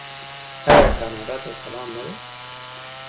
آیا کاناډا ته سلام نه دی؟